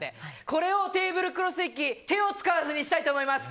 これをテーブルクロス引き手を使わずにしたいと思います。